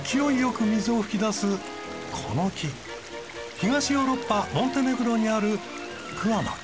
東ヨーロッパモンテネグロにある桑の木。